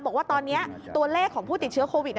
บอกว่าตอนนี้ตัวเลขของผู้ติดเชื้อโควิด